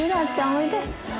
おいで。